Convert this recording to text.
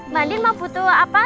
mandi mau butuh apa